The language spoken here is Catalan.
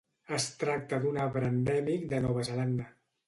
Es tracta d'un arbre endèmic de Nova Zelanda.